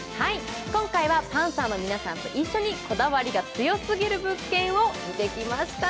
今回はパンサーの皆さんと一緒にこだわりが強すぎる個性派物件を見てきました。